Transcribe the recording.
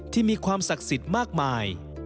ที่มีความศักดิ์สิทธิ์มากมาย